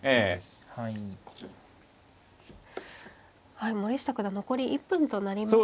はい森下九段残り１分となりました。